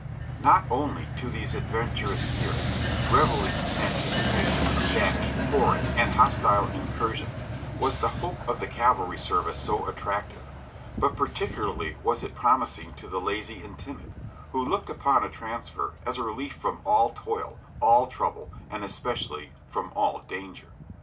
Not only to these adventurous spirits, revelling in anticipation of dash, foray and hostile incursion, was the hope of the cavalry service so attractive, but particularly was it promising to the lazy and timid, who looked upon a transfer as a relief from all toil, all trouble, and especially from all danger.